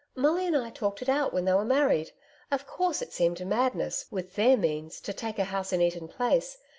Molly and I talked it out when they were married. Of course, it seemed madness, with their means to take a house in Eaton Place.